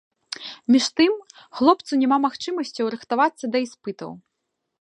Між тым, хлопцу няма магчымасцяў рыхтавацца да іспытаў.